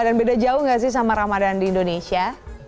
dan beda jauh nggak sih sama ramadan di indonesia